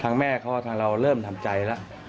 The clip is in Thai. ทางแม่เขาบอกว่าเราเริ่มทำใจแล้ว